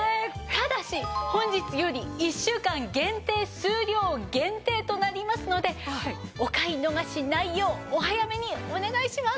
ただし本日より１週間限定数量限定となりますのでお買い逃しないようお早めにお願いします！